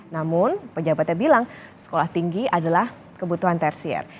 namun pejabatnya bilang sekolah tinggi adalah kebutuhan tersier